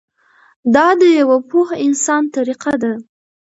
دا د یوه پوه انسان طریقه ده.